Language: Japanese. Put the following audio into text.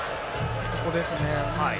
ここですね。